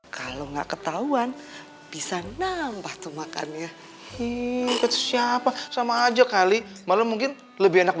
kalau nggak ketahuan bisa nampak tuh makannya siapa sama aja kali malah mungkin lebih enak